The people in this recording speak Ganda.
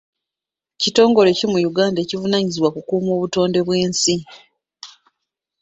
Kitongole ki mu Uganda ekivunaanyizibwa ku kukuuma obutonde bw'ensi?